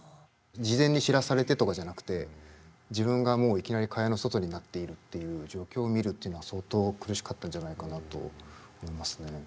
事前に知らされてとかじゃなくて自分がもういきなり蚊帳の外になっているっていう状況を見るっていうのは相当苦しかったんじゃないかなと思いますね。